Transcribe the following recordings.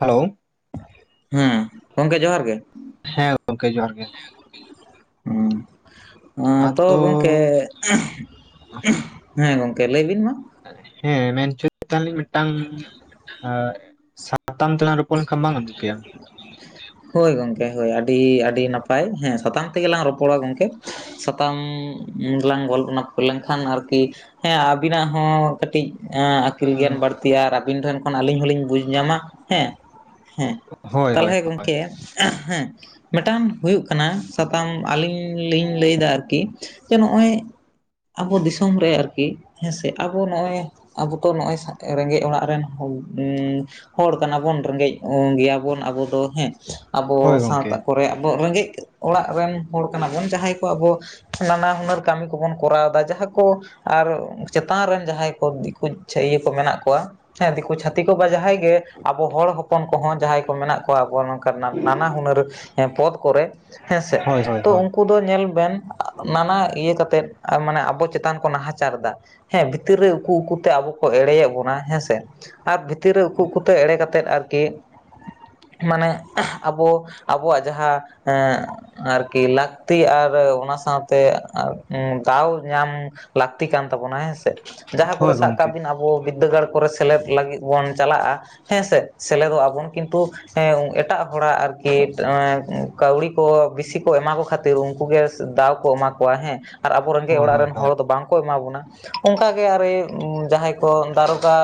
Hello ᱦᱮᱸ ᱜᱚᱝᱠᱮ ᱡᱚᱦᱟᱨ ᱜᱮ᱾ ᱦᱮᱸ ᱜᱚᱝᱠᱮ ᱡᱚᱦᱟᱨ ᱜᱮ᱾ [unintelligible] ᱦᱩᱸ ᱛᱚ ᱟᱫᱚ ᱜᱚᱝ ᱠᱮᱻ [unintelligible] ᱦᱮᱸ ᱜᱚᱝᱠᱮ ᱞᱟᱹᱭ ᱵᱤᱱ ᱢᱟ᱾ ᱦᱮᱸ ᱢᱮᱱ ᱦᱚᱪᱚ ᱭᱮᱫ ᱛᱟᱦᱮᱞᱤᱧ ᱢᱤᱫ ᱴᱟᱝ ᱥᱟ ᱦᱳᱭ ᱜᱚᱝᱠᱮ ᱦᱳᱭ ᱟᱹᱰᱤᱻᱟᱹᱰᱤ ᱱᱟᱯᱟᱭ ᱦᱮᱸ ᱥᱟᱛᱟᱢ ᱛᱮᱜᱮ ᱞᱟᱝ ᱨᱚᱯᱚᱲᱟ ᱜᱚᱝᱠᱮ, ᱥᱟᱛᱟᱢ ᱞᱟᱝ [unintelligible] ᱠᱷᱟᱱ ᱟᱨᱠᱤ ᱦᱮᱸ ᱟᱵᱤᱱᱟᱜ ᱦᱚᱸ ᱠᱟᱴᱤᱡ, ᱮᱸ ᱟᱠᱤᱞ ᱜᱮᱭᱟᱱ ᱵᱟᱹᱲᱛᱤᱜᱼᱟ ᱟᱨ ᱟᱵᱤᱱ ᱴᱷᱮᱱ ᱠᱷᱚᱱ ᱟᱹᱞᱤᱧ ᱦᱚᱸᱞᱤᱧ ᱵᱩᱡᱽ ᱧᱟᱢᱟ ᱦᱮᱸ ᱦᱮᱸ ᱦᱳᱭ ᱦᱳᱭ ᱛᱟᱞᱦᱮ ᱜᱚᱝᱠᱮ ᱮ ᱦᱮᱸ ᱢᱤᱴᱟᱱ ᱦᱩᱭᱩᱜ ᱠᱟᱱᱟ ᱥᱟᱛᱟᱢ ᱟᱹᱞᱤᱧ ᱞᱤᱧ ᱞᱟᱹᱭᱫᱟ ᱟᱨᱠᱤ ᱡᱮ ᱱᱚᱜᱼᱚᱭ, ᱟᱵᱚ ᱫᱤᱥᱚᱢ ᱨᱮ ᱟᱨᱠᱤ ᱦᱮᱸᱥᱮ ᱟᱵᱚ ᱱᱚᱜᱼᱚᱭ ᱟᱵᱚ ᱛᱚ ᱱᱚᱜᱼᱚᱭ ᱨᱮᱸᱜᱮᱡ ᱚᱲᱟᱜ ᱨᱮᱱ [unintelligible] ᱦᱚᱲ ᱠᱟᱱᱟᱵᱚᱱ᱾ ᱨᱮᱸᱜᱮᱡ ᱜᱮᱭᱟᱵᱚᱱ ᱟᱵᱚ ᱫᱚ ᱦᱮᱸ, ᱟᱵᱚ ᱦᱳᱭ ᱜᱚᱢᱠᱮ ᱥᱟᱶᱛᱟ ᱠᱚᱨᱮ ᱟᱵᱚ ᱨᱮᱸᱜᱮᱜ ᱚᱲᱟᱜ ᱨᱮᱱ ᱦᱚᱲ ᱠᱟᱱᱟ ᱵᱚᱱ ᱡᱟᱦᱟᱭ ᱠᱚ ᱟᱵᱚ ᱱᱟᱱᱟ ᱦᱩᱱᱟᱹᱨ ᱠᱟᱹᱢᱤ ᱠᱚᱵᱚᱱ ᱠᱚᱨᱟᱣᱫᱟ ᱡᱟᱦᱟ ᱠᱚ ᱟᱨ ᱪᱮᱛᱟᱱ ᱨᱮᱱ ᱡᱟᱦᱟᱭ ᱠᱚ ᱫᱤᱠᱩ ᱪᱷᱟᱹᱭ ᱤᱭᱟᱹ ᱠᱚ ᱢᱮᱱᱟᱜ ᱠᱚᱣᱟ᱾ ᱦᱮᱸ ᱫᱤᱠᱩ ᱪᱷᱟᱹᱛᱤ ᱠᱚ ᱵᱟ ᱡᱟᱦᱟᱭ ᱜᱮ ᱟᱵᱚ ᱦᱚᱲ ᱦᱚᱯᱚᱱ ᱠᱚᱦᱚᱸ ᱡᱟᱦᱟᱭ ᱠᱚ ᱢᱮᱱᱟᱜ ᱛᱚ ᱟᱵᱚ ᱚᱱᱠᱟ ᱱᱟᱱᱟ ᱦᱩᱱᱟᱹᱨ ᱦᱮᱸ ᱯᱚᱫ ᱠᱚᱨᱮ ᱦᱮᱸᱥᱮ ᱦᱳᱭ ᱦᱳᱭ ᱛᱚ ᱦᱳᱭ ᱩᱝᱠᱩ ᱠᱩ ᱫᱚ ᱧᱮᱞ ᱵᱮᱱ ᱱᱟᱱᱟ ᱤᱭᱟᱹ ᱠᱟᱛᱮᱫ ᱢᱟᱱᱮ ᱟᱵᱚ ᱪᱮᱛᱟᱱ ᱠᱚ ᱱᱟᱦᱟᱪᱟᱨ ᱫᱟ ᱦᱮᱸ ᱵᱷᱤᱛᱤᱨ ᱨᱮ ᱩᱠᱩ ᱩᱠᱩ ᱛᱮ ᱟᱵᱚ ᱠᱚ ᱮᱲᱮᱭᱮᱜ ᱵᱚᱱᱟ ᱦᱮᱸ ᱥᱮ᱾ ᱟᱨ ᱵᱷᱤᱛᱤᱨ ᱨᱮ ᱩᱠᱩ ᱩᱠᱩ ᱛᱮ ᱮᱲᱮ ᱠᱟᱛᱮᱫ ᱟᱨᱠᱤ ᱢᱟᱱᱮ ᱟᱵᱚ ᱟᱵᱚᱣᱟᱜ ᱡᱟᱦᱟ ᱮᱸᱻ ᱟᱨᱠᱤ ᱞᱟᱠᱛᱤ ᱟᱨ ᱚᱱᱟ ᱥᱟᱶᱛᱮ ᱫᱟᱣ ᱧᱟᱢ ᱞᱟᱹᱠᱛᱤ ᱠᱟᱱ ᱛᱟᱵᱚᱱᱟ ᱦᱮᱸᱥᱮ ᱡᱟᱦᱟ ᱦᱳᱭ ᱠᱚᱨᱮ ᱥᱟᱵ ᱜᱚᱢᱠᱮ ᱠᱟᱜ ᱵᱤᱱ ᱟᱵᱚ ᱵᱚ ᱵᱤᱫᱽᱫᱟᱹ ᱜᱟᱲ ᱠᱚᱨᱮ ᱥᱮᱞᱮᱫ ᱞᱟᱹᱜᱤᱫ ᱵᱚᱱ ᱪᱟᱞᱟᱜᱼᱟ ᱦᱮᱸᱥᱮ ᱥᱮᱞᱮᱫᱚᱜᱼᱟ ᱵᱚᱱ ᱠᱤᱱᱛᱩ ᱦᱮᱸ ᱮᱴᱟᱜ ᱦᱚᱲᱟᱜ ᱟᱨᱠᱤ ᱮᱸᱻ ᱠᱟᱹᱣᱰᱤ ᱠᱚ ᱵᱤᱥᱤ ᱠᱚ ᱮᱢᱟ ᱠᱚ ᱠᱷᱟᱛ ᱯᱷᱤᱨ ᱩᱝᱠᱩ ᱜᱮ ᱫᱟᱣ ᱠᱚ ᱮᱢᱟ ᱠᱚᱣᱟ ᱦᱮᱸ ᱟᱨ ᱟᱵᱚ ᱨᱮᱸᱜᱮᱡ ᱦᱳᱭ ᱚᱲᱟᱜ ᱦᱳᱭ ᱨᱮᱱ ᱦᱳᱭ ᱦᱚᱲ ᱫᱚ ᱵᱟᱝ ᱠᱚ ᱮᱢᱟ ᱵᱚᱱᱟ᱾ ᱚᱝᱠᱟᱜᱮ ᱟᱨᱮ ᱡᱟᱦᱟᱸᱭ ᱠᱚ ᱫᱟᱨᱚᱜᱟ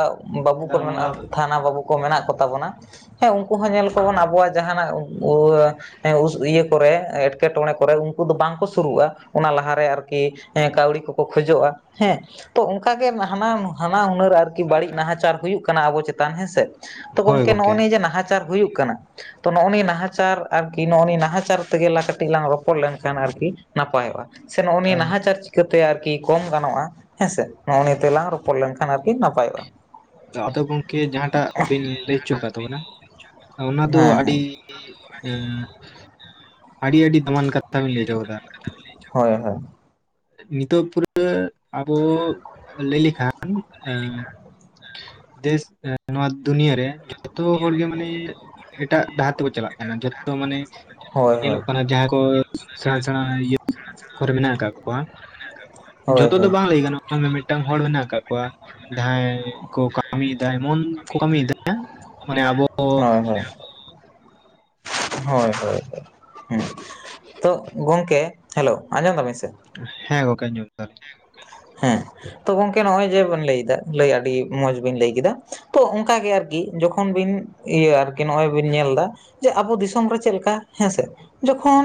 ᱵᱟᱹᱵᱩ ᱠᱚ ᱢᱮᱱᱟᱜᱼᱟ ᱛᱷᱟᱱᱟ ᱵᱟᱹᱵᱩ ᱠᱚ ᱢᱮᱱᱟᱜ ᱠᱚ᱾ ᱛᱟᱵᱚᱱᱟ ᱦᱮᱸ ᱩᱝᱠᱩ ᱦᱚᱸ ᱧᱮᱞ ᱠᱚ ᱵᱚᱱ ᱟᱵᱚᱣᱟᱜ ᱡᱟᱦᱟᱸᱱᱟᱜ [unintelligible] ᱦᱮᱸ ᱩᱥ ᱤᱭᱟᱹ ᱠᱚᱨᱮ ᱮᱸᱴᱠᱮᱴᱚᱬᱮ ᱠᱚᱨᱮ ᱩᱝᱠᱩ ᱫᱚ ᱵᱟᱝᱠᱚ ᱥᱩᱨᱩᱜᱼᱟ᱾ ᱚᱱᱟ ᱞᱟᱦᱟᱨᱮ ᱟᱨᱠᱤ ᱦᱮᱸ ᱠᱟᱣᱰᱤ ᱠᱚᱠᱚ ᱠᱷᱚᱡᱚᱜᱼᱟ ᱦᱮᱸ ᱛᱚ ᱚᱝᱠᱟᱜᱮ ᱦᱟᱱᱟᱱ ᱦᱟᱱᱟ ᱦᱩᱱᱟᱹᱨ ᱟᱨᱠᱤ ᱵᱟᱲᱤᱡ ᱱᱟᱦᱟᱪᱟᱨ ᱦᱩᱭᱩᱜ ᱠᱟᱱᱟ ᱟᱵᱚ ᱪᱮᱛᱟᱱ ᱦᱮᱸᱥᱮ ᱛᱚ ᱦᱳᱭ ᱜᱚᱝᱠᱮ ᱜᱚᱢᱠᱮ ᱱᱚᱜᱼᱚᱭ ᱱᱤᱭᱟᱹ ᱡᱮ ᱱᱟᱦᱟᱪᱟᱨ ᱦᱩᱭᱩᱜ ᱠᱟᱱᱟ, ᱛᱚ ᱱᱚᱜᱼᱚ ᱱᱤᱭᱟᱹ ᱱᱟᱦᱟᱪᱟᱨ ᱟᱨᱠᱤ ᱱᱚᱜᱼᱚ ᱱᱤᱭᱟᱹ ᱱᱟᱦᱟᱪᱟᱨ ᱛᱮᱜᱮ ᱞᱟ ᱠᱟᱹᱴᱤᱡ ᱞᱟᱝ ᱨᱚᱯᱚᱲ ᱞᱮᱱᱠᱷᱟᱱ ᱟᱨᱠᱤ ᱱᱟᱯᱟᱭᱚᱜᱼᱟ᱾ ᱥᱮ ᱱᱚᱜᱼᱚ ᱟ, ᱱᱤᱭᱟᱹ ᱱᱟᱦᱟᱪᱟᱨ ᱪᱤᱠᱟᱹᱛᱮ ᱟᱨᱠᱤ ᱠᱚᱢ ᱜᱟᱱᱚᱜᱼᱟ ᱦᱮᱸᱥᱮ ᱱᱚᱜᱼᱚ ᱱᱤᱭᱟᱹᱛᱮᱞᱟᱝ ᱨᱚᱯᱚᱲ ᱞᱮᱝᱠᱷᱟᱱ ᱟᱨᱠᱤ ᱱᱟᱯᱟᱭᱚᱜᱼᱟ᱾ ᱟᱫᱚ ᱜᱚᱝᱠᱮ ᱡᱟᱦᱟᱸᱴᱟᱜ ᱵᱤᱱ ᱞᱟᱹᱭ ᱦᱚᱪᱚ ᱠᱟᱜ ᱛᱟᱵᱚᱱᱟ, ᱚᱱᱟ ᱫᱚ ᱦᱮᱸ ᱟᱰᱤ ᱦᱮᱸ [unintelligible] ᱟᱰᱤ ᱟᱰᱤ ᱫᱟᱢᱟᱱ ᱠᱟᱛᱷᱟ ᱵᱤᱱ ᱞᱟᱹᱭᱪᱚ ᱠᱟᱫᱟ ᱦᱳᱭ ᱦᱳᱭ ᱱᱤᱛᱚᱜ ᱯᱩᱨᱟᱹ ᱟᱵᱚ ᱞᱟᱹᱭ ᱞᱮᱠᱷᱟ [unintelligible] ᱫᱮᱥ ᱱᱚᱶᱟ ᱫᱩᱱᱤᱭᱟᱹ ᱨᱮ ᱡᱚᱛᱚ ᱦᱚᱲ ᱜᱮ ᱢᱟᱱᱮ ᱮᱴᱟᱜ ᱰᱟᱦᱟᱨ ᱛᱮᱠᱚ ᱪᱟᱞᱟᱜ ᱠᱟᱱᱟ ᱾ ᱡᱷᱚᱛᱚ ᱢᱟᱱᱮ ᱦᱳᱭ ᱦᱳᱭ ᱧᱮᱞᱚᱜ ᱠᱟᱱᱟ ᱡᱟᱦᱟᱸ ᱠᱚ ᱥᱮᱬᱟ ᱥᱮᱬᱟ ᱤᱭᱟᱹ ᱠᱚᱨᱮ ᱢᱮᱱᱟᱜ ᱠᱟᱜ ᱠᱚᱣᱟ ᱦᱳᱭ ᱡᱷᱚᱛᱚ ᱫᱚ ᱦᱳᱭ ᱵᱟᱝ ᱞᱟᱹᱭ ᱜᱟᱱᱚ ᱢᱤᱼᱢᱤᱫᱴᱟᱝ ᱦᱚᱲ ᱢᱮᱱᱟᱜ ᱠᱟᱫ ᱠᱚᱣᱟ, ᱡᱟᱦᱟᱸᱭ ᱠᱚ ᱠᱟᱢᱤᱭᱫᱟ ᱮᱢᱚᱱ ᱠᱚ ᱠᱟᱹᱢᱤᱭᱫᱟ ᱮ ᱢᱟᱱᱮ ᱟᱵᱚ ᱼᱼ ᱦᱳᱭ ᱦᱳᱭ ᱦᱳᱭ ᱦᱳᱭ ᱛᱚ ᱜᱚᱢᱠᱮ ᱦᱮᱞᱳ ᱟᱸᱡᱚᱢ ᱫᱟᱵᱤᱱ ᱥᱮ ᱦᱮᱸ ᱜᱚᱝᱠᱮ ᱟᱸᱡᱚᱢᱚᱜ [unintelligible] ᱦᱮᱸ ᱛᱚ ᱜᱚᱝᱠᱮ ᱱᱚᱜ-ᱚᱭ ᱡᱮ ᱵᱤᱱ ᱞᱟᱹᱭᱮᱫᱟ, ᱞᱟᱹᱭ ᱟᱹᱰᱤ ᱢᱚᱸᱡᱽ ᱵᱤᱱ ᱞᱟᱹᱭ ᱠᱮᱫᱟ, ᱛᱚ ᱚᱱᱠᱟᱜ ᱜᱮ ᱟᱨᱠᱤ ᱡᱚᱠᱷᱚᱱ ᱵᱤᱱᱼᱼ ᱤᱭᱟᱹ ᱟᱨᱠᱤ ᱱᱚᱜᱼᱚᱭ ᱵᱤᱱ ᱧᱮᱞ ᱫᱟ ᱡᱮ ᱟᱵᱚ ᱫᱤᱥᱚᱢ ᱨᱮ ᱪᱮᱫ ᱞᱮᱠᱟ ᱦᱮᱸᱥᱮ ᱡᱚᱠᱷᱚᱱ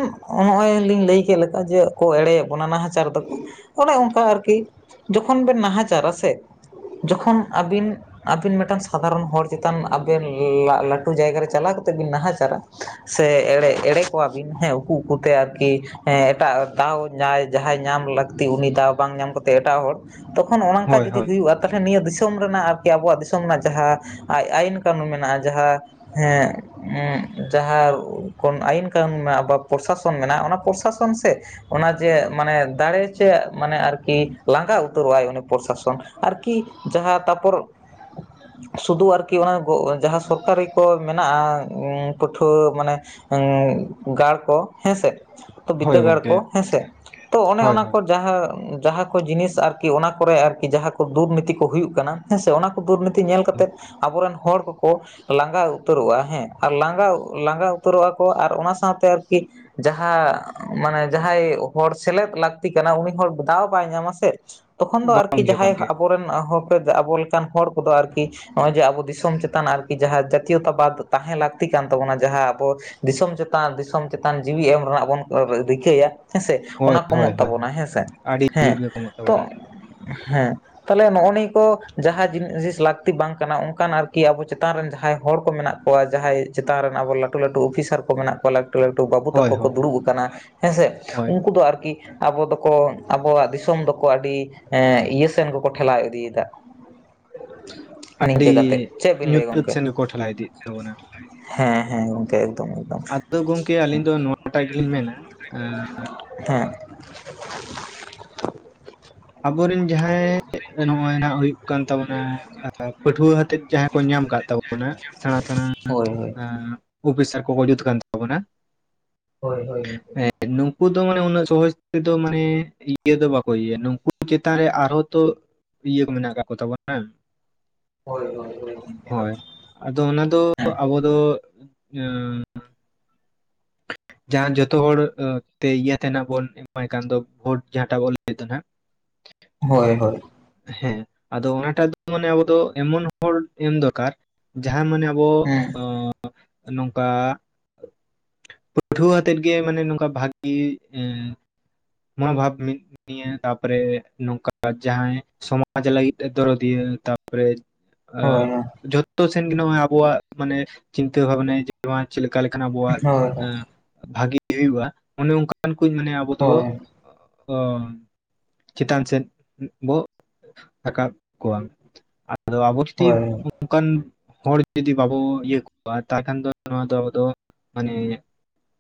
ᱱᱚᱜᱼᱚᱭ ᱞᱤᱧ ᱞᱟᱹᱭ ᱠᱮᱜ ᱞᱮᱠᱟ ᱡᱮ ᱠᱚ ᱮᱲᱮᱭᱮᱫ ᱵᱚᱱᱟ ᱱᱟᱦᱟᱪᱟᱨ ᱫᱚᱠᱩ ᱚᱱᱮ ᱚᱱᱠᱟ ᱟᱨ ᱠᱤ ᱡᱚᱠᱷᱚᱱ ᱵᱮᱱ ᱱᱟᱦᱟᱪᱟᱨ-ᱟ ᱥᱮ ᱡᱚᱠᱷᱚᱱ ᱟᱵᱤᱱ ᱟᱹᱵᱤᱱ ᱢᱤᱫᱴᱟᱝ ᱥᱟᱫᱷᱟᱨᱚᱱ ᱦᱚᱲ ᱪᱮᱛᱟᱱ ᱟᱵᱮᱱ ᱞᱟᱜ ᱞᱟᱹᱴᱩ ᱡᱟᱭᱜᱟ ᱨᱮ ᱪᱟᱞᱟᱣ ᱠᱟᱛᱮ ᱵᱤᱱ ᱱᱟᱦᱟᱪᱟᱨᱟ? ᱥᱮ ᱮᱲᱮ ᱮᱲᱮ ᱠᱚᱣᱟᱵᱤᱱ ᱦᱮᱸ ᱩᱠᱩ ᱩᱠᱩᱛᱮ ᱟᱨᱠᱤ᱾ ᱦᱮᱸ ᱮᱴᱟᱜ ᱫᱟᱣ ᱧᱟᱭ ᱡᱟᱦᱟᱸᱭ ᱧᱟᱢ ᱞᱟᱹᱠᱼᱼ ᱛᱤ ᱩᱱᱤ ᱫᱟᱣ ᱵᱟᱝ ᱧᱟᱢ ᱠᱟᱛᱮ ᱮᱴᱟᱜ ᱦᱚᱲ, ᱛᱚᱠᱷᱚᱱ ᱚᱱ ᱚᱝᱠᱟ ᱦᱳᱭ ᱡᱩᱫᱤ ᱦᱳᱭ ᱦᱩᱭᱩᱜ-ᱟ, ᱼᱼ ᱛᱟᱦᱞᱮ ᱱᱤᱭᱟᱹ ᱫᱤᱥᱚᱢ ᱨᱮᱱᱟᱜ ᱟᱨ ᱠᱤ ᱟᱵᱚᱣᱟᱜ ᱫᱤᱥᱚᱢ ᱨᱮᱱᱟᱜ ᱡᱟᱦᱟᱸ ᱟᱭ ᱟᱭᱤᱱ ᱠᱟᱹᱱᱩᱱ ᱢᱮᱱᱟᱜᱼᱟ᱾ ᱡᱟᱦᱟᱸ ᱦᱮᱸ ᱩᱸ ᱡᱟᱦᱟᱸ ᱠᱚᱢ ᱟᱹᱭᱤᱱ ᱠᱟᱹᱱᱩᱱ ᱢᱮᱱᱟᱜ-ᱟ, ᱵᱟ ᱯᱨᱚᱥᱟᱥᱚᱱ ᱢᱮᱱᱟᱜ-ᱟ, ᱚᱱᱟ ᱯᱨᱚᱥᱟᱥᱚᱱ ᱥᱮᱼᱼ ᱚᱱᱟ ᱪᱮᱜ, ᱢᱟᱱᱮ ᱫᱟᱲᱮ ᱪᱮᱜ ᱢᱟᱱᱮ ᱟᱨᱠᱤ ᱞᱟᱸᱜᱟ ᱩᱛᱟᱹᱨᱚᱜ-ᱟᱭ ᱩᱱᱤ ᱯᱨᱚᱥᱟᱥᱚᱱ᱾ ᱟᱨᱠᱤ, ᱡᱟᱦᱟᱸ ᱛᱟᱨᱯᱚᱨ ᱥᱩᱫᱩ ᱟᱨᱠᱤ ᱚᱱᱟ ᱡᱟᱦᱟᱸ ᱥᱚᱨᱠᱟᱨᱤ ᱠᱚ ᱾ ᱢᱮᱱᱟᱜ-ᱟ ᱚᱸ ᱯᱟᱹᱴᱷᱩᱣᱟᱹ ᱢᱟᱱᱮ ᱮᱩᱸ ᱜᱟᱲ ᱠᱚ, ᱦᱮᱸᱥᱮ? ᱛᱚ ᱦᱳᱭ ᱵᱤᱫᱽᱫᱟᱹᱜᱟᱲ ᱜᱚᱝᱠᱮ ᱠᱚ ᱦᱮᱸᱥᱮ ᱛᱚ ᱚᱱᱮ ᱦᱳᱭ ᱚᱱᱟ ᱦᱳᱭ ᱠᱚ ᱡᱟᱦᱟᱸ ᱡᱟᱦᱟᱸ ᱠᱚ ᱡᱤᱱᱤᱥ ᱟᱨᱠᱤ ᱚᱱᱟ ᱠᱚᱨᱮ ᱟᱨᱠᱤ ᱡᱟᱦᱟᱸ ᱠᱚ ᱫᱩᱨᱱᱤᱛᱤ ᱠᱚ ᱦᱩᱭᱩᱜ ᱠᱟᱱᱟ ᱦᱮᱸᱥᱮ ᱚᱱᱟ ᱠᱚ ᱫᱩᱨᱱᱤᱛ ᱛᱤ ᱧᱮᱞ ᱠᱟᱛᱮᱫ ᱟᱵᱚᱨᱮᱱ ᱦᱚᱲ ᱠᱚᱠᱚ ᱞᱟᱸᱜᱟ ᱩᱛᱟᱹᱨᱚᱜᱼᱟ ᱦᱮᱸ ᱟᱨ ᱞᱟᱸᱜᱟ ᱞᱟᱸᱜᱟ ᱩᱛᱟᱹᱨᱚᱜᱼᱟ᱾ ᱠᱚ ᱟᱨ ᱚᱱᱟ ᱥᱟᱶᱛᱮ ᱟᱨᱠᱤ, ᱡᱟᱦᱟᱸ ᱢᱟᱱᱮ ᱡᱟᱦᱟᱸᱭ ᱦᱚᱲ ᱥᱮᱞᱮᱫ ᱞᱟᱠ ᱛᱤ ᱠᱟᱱᱟ ᱩᱱᱤ ᱦᱚᱲ ᱵᱚᱠᱟᱣ ᱵᱟᱭ ᱧᱟᱢᱟ ᱥᱮ ᱛᱚᱠᱷᱚᱱ ᱫᱚ ᱟᱨᱠᱤ ᱵᱟᱝᱜᱮ ᱡᱟᱦᱟᱸᱭ ᱵᱟᱝᱜᱮ ᱟᱵᱚᱨᱮᱱ ᱦᱚᱠ ᱟᱵᱚ ᱠᱟᱱ ᱦᱚᱲ ᱠᱚᱫᱚ ᱟᱨᱠᱤ ᱱᱚᱜᱼᱚᱭ ᱡᱮ ᱟᱵᱚ ᱫᱤᱥᱚᱢ ᱪᱮᱛᱟᱱ ᱟᱨᱠ ᱠᱤ ᱡᱟᱦᱟᱸ ᱡᱟᱛᱤᱭᱚᱛᱟ ᱵᱟᱫ ᱛᱟᱦᱮᱸ ᱞᱟᱹᱠᱛᱤ ᱠᱟᱱ ᱛᱟᱵᱚᱱᱟ ᱡᱟᱦᱟᱸ ᱟᱵᱚ ᱫᱤᱥᱚᱢ ᱪᱮᱛᱟᱱ ᱫᱤᱥᱚᱢ ᱪᱮᱛᱟᱱ ᱡᱤᱣᱤ ᱮᱢ ᱨᱮᱱᱟᱜ ᱵᱚᱱ ᱨᱤ ᱨᱤᱠᱟᱹᱭᱟ ᱦᱮᱸᱥᱮ᱾ ᱦᱳᱭ ᱚᱱᱟ ᱠᱚ ᱦᱳᱭ ᱦᱳᱭ ᱦᱳᱭ ᱛᱟᱵᱚᱱᱟ ᱦᱮᱸᱥᱮ ᱟᱹᱰᱤ ᱦᱮᱸ ᱡᱳᱨ ᱜᱮ ᱠᱚᱢᱚᱜ ᱛᱚ ᱛᱟᱵᱚᱱᱟ ᱦᱮᱸ᱾ ᱛᱟᱦᱚᱞᱮ ᱱᱚᱜᱼᱚ ᱱᱤᱭᱟᱹ ᱠᱚ ᱡᱟᱦᱟᱸᱤᱥ ᱞᱟᱹᱠᱛᱤ ᱵᱟᱝ ᱠᱟᱱᱟ ᱚᱱᱠᱟᱱ ᱟᱨᱠᱤ ᱟᱵᱚ ᱪᱮᱛᱟᱱ ᱨᱮᱱ ᱡᱟᱦᱟᱸᱭ ᱦᱚᱲ ᱠᱚ ᱢᱮᱱᱟᱜ ᱠᱚᱣᱟ ᱡᱟᱦᱟᱸᱭ ᱪᱮᱛᱟᱱ ᱨᱮᱱ ᱟᱵᱚ ᱞᱟᱴᱩ ᱞᱟᱴᱩ ᱚᱯᱷᱤᱥᱟᱨ ᱠᱚ ᱢᱮᱱᱟᱜ ᱠᱚᱣᱟ᱾ ᱞᱟᱹᱴᱩ ᱞᱟᱹᱴᱩ ᱵᱟᱹᱵᱩ ᱦᱳᱭ ᱛᱟᱠᱚ ᱠᱚ ᱦᱳᱭ ᱦᱳᱭ ᱫᱩᱲᱩᱵ ᱟᱠᱟᱱᱟ ᱦᱮᱸᱥᱮ, ᱦᱳᱭ ᱩᱱᱠᱩ ᱫᱚ ᱟᱨ ᱠᱤ ᱟᱵᱚ ᱫᱚᱠᱚ ᱟᱵᱚᱣᱟᱜ ᱫᱤᱥᱚᱢ ᱫᱚᱠᱚ ᱟᱹᱰᱤ ᱮ ᱤᱭᱟᱹ ᱥᱮᱱ ᱜᱮᱠᱚ ᱴᱷᱮᱞᱟᱣ ᱤᱫᱤᱭᱮᱫᱟ ᱚ ᱟᱰᱤ ᱵᱤᱱ ᱞᱟᱹᱭᱟ ᱧᱩᱛᱟᱹᱛ ᱜᱚᱢᱠᱮ ᱥᱮᱱ ᱜᱮᱠᱚ ᱴᱷᱮᱞᱟᱣ ᱤᱫᱤᱜ ᱛᱟᱵᱚᱱᱟ᱾ ᱦᱮᱸ ᱦᱮᱸ ᱜᱚᱝᱠᱮ ᱟᱫᱚ ᱜᱚᱝᱠᱮ ᱟᱞᱤᱧ ᱫᱚ ᱱᱚᱣᱟᱴᱟᱜ ᱜᱮᱞᱤᱧ ᱢᱮᱱᱟ ᱾ ᱦᱮᱸ ᱟᱵᱚᱨᱤᱱ ᱡᱟᱦᱟᱸᱭ ᱱᱚᱜᱚᱭ ᱱᱟᱜ ᱦᱩᱭᱩᱜ ᱠᱟᱱ ᱛᱟᱵᱚᱱᱟ ᱟ ᱯᱟᱹᱴᱷᱩᱣᱟᱹ ᱦᱟᱛᱮᱫ ᱡᱟᱦᱟᱸ ᱠᱚ ᱧᱟᱢ ᱠᱟᱜ ᱛᱟᱵᱚᱱᱟ᱾ ᱥᱮᱬᱟ ᱥᱮᱬᱟ ᱦᱳᱭ ᱦᱳᱭ ᱟ ᱚᱯᱷᱤᱥᱟᱨ ᱠᱚᱠᱚ ᱡᱩᱛ ᱠᱟᱱ ᱛᱟᱵᱚᱱᱟ ᱦᱳᱭ ᱦᱳᱭ ᱱᱩᱠᱩ ᱫᱚ ᱢᱟᱱᱮ ᱩᱱᱟᱹᱜ ᱥᱚᱦᱚᱡ ᱛᱮᱫᱚ ᱢᱟᱱᱮ ᱤᱭᱟᱹ ᱫᱚ ᱵᱟᱠᱚ ᱤᱭᱟᱹᱭᱟ ᱱᱩᱠᱩ ᱪᱮᱛᱟ ᱨᱮ ᱟᱨᱦᱚᱸ ᱛᱚ ᱤᱭᱟᱹ ᱠᱚ ᱢᱮᱱᱟᱜ ᱠᱟ ᱠᱚ ᱛᱟᱵᱚᱱᱟ᱾ ᱦᱚᱭ ᱦᱚᱭ ᱦᱚᱭ ᱜᱚᱝᱠᱮ ᱦᱚᱭ ᱦᱳᱭ ᱟᱫᱚ ᱚᱱᱟ ᱫᱚ ᱟᱵᱚ ᱫᱚ ᱩᱸ ᱡᱟᱦᱟᱸ ᱡᱚᱛᱚ ᱦᱚᱲ ᱛᱮ ᱤᱭᱟᱹᱛᱮ ᱱᱟᱜ ᱵᱚᱱ ᱮᱢᱟᱭ ᱠᱟᱱ ᱫᱚ ᱵᱷᱳᱴ ᱡᱟᱦᱟᱸᱴᱟᱜ ᱵᱚᱱ ᱞᱟᱹᱭ ᱫᱚ ᱱᱟᱦᱟᱜ ᱦᱳᱭ ᱦᱳᱭ ᱦᱮᱸ ᱟᱫᱚ ᱚᱱᱟᱴᱟᱜ ᱫᱚ ᱢᱟᱱᱮ ᱟᱵᱚ ᱫᱚ ᱮᱢᱚᱱ ᱦᱚᱲ ᱮᱢ ᱫᱚᱨᱠᱟᱨ ᱡᱟᱦᱟᱸ ᱢᱟᱱᱮ ᱟᱵᱚ ᱱᱚᱝᱠᱟᱼᱼ ᱯᱟᱹ [inaudible] ᱴᱷᱩᱣᱟᱹ ᱟᱛᱮᱫ ᱜᱮ ᱢᱟᱱᱮ ᱱᱚᱝᱠᱟ ᱵᱷᱟᱜᱤ ᱮ ᱢᱚᱱᱚᱵᱷᱟᱵᱽ ᱢᱤᱫ ᱱᱤᱭᱟᱹ ᱛᱟᱯᱚᱨᱮ ᱱᱚᱝᱠᱟ ᱡᱟᱦᱟᱸᱭ, ᱥᱚᱢᱟᱡᱽ ᱞᱟᱹᱜᱤᱫ ᱛᱮ ᱫᱚᱨᱚᱫᱤᱭᱟᱹ᱾ ᱛᱟᱯᱚᱨᱮ ᱦᱳᱭ ᱟᱹᱜ ᱡᱷᱚᱛᱚ ᱥᱮᱱ ᱜᱮ ᱱᱚᱜᱼᱚᱭ ᱟᱹᱵᱩᱣᱟᱜ ᱢᱟᱱᱮ ᱪᱤᱱᱛᱟᱹ ᱵᱷᱟᱵᱽᱱᱮᱡᱽ ᱱᱚᱣᱟ ᱪᱮᱫ ᱞᱮᱠᱟ ᱞᱮᱠᱷᱟᱱ ᱟᱹᱵᱩᱣᱟᱜ ᱦᱳᱭ ᱮᱸ ᱵᱷᱟᱹᱜᱤ ᱦᱩᱭᱩᱜᱼᱟ᱾ ᱚᱱᱮ ᱚᱱᱠᱟᱱ ᱠᱩ ᱤᱧ ᱢᱟᱱᱮ ᱟᱹᱵᱩ ᱫᱚ ᱦᱳᱭ ᱦᱳᱭ ᱚᱸᱜ-ᱚᱸᱜ ᱪᱮᱛᱟᱱ ᱥᱮᱫ ᱵᱚ ᱨᱟᱠᱟᱵ ᱠᱚᱣᱟ᱾ ᱟᱫᱚ ᱟᱵᱚ ᱡᱩᱫᱤ ᱦᱳᱭ ᱚᱱᱠᱟᱱ ᱦᱚᱲ ᱡᱩᱫᱤ ᱵᱟᱵᱚᱱ ᱤᱭᱟᱹ ᱠᱚᱣᱟ ᱛᱟᱦᱚᱞᱮ ᱠᱷᱟᱱ ᱫᱚ ᱱᱚᱣᱟ ᱫᱚ ᱟᱵᱚ ᱫᱚ ᱢᱟᱱᱮ